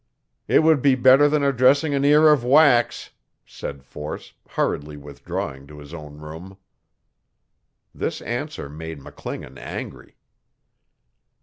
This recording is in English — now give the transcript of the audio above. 'It would be better than addressing an ear of wax,' said Force, hurriedly withdrawing to his own room. This answer made McClingan angry.